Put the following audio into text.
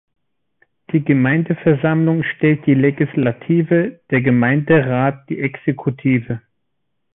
Die Gemeindeversammlung stellt die Legislative, der Gemeinderat die Exekutive.